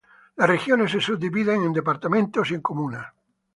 Las Regiones se subdividen en Departamentos y Comunas.